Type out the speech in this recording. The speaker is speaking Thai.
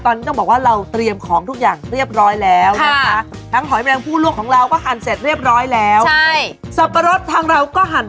ทางเรารับนี่แล้วนะคะรับปริงหลายแล้วนะคะ